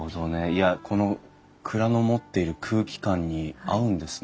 いやこの蔵の持っている空気感に合うんですね。